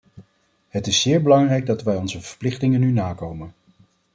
Het is zeer belangrijk dat wij onze verplichtingen nu nakomen.